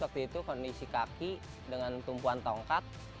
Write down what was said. waktu itu kondisi kaki dengan tumpuan tongkat